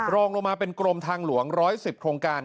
รองลงมาเป็นกรมทางหลวง๑๑๐โครงการ